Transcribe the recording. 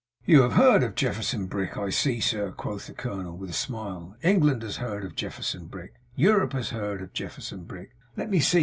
'You have heard of Jefferson Brick, I see, sir,' quoth the colonel, with a smile. 'England has heard of Jefferson Brick. Europe has heard of Jefferson Brick. Let me see.